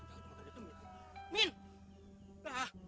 jangan jangan dia teman